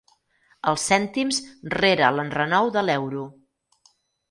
Els cèntims rere l'enrenou de l'euro.